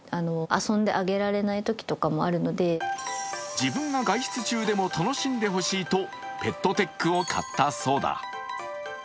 自分が外出中でも楽しんでほしいとペットテックを買ったそうだ。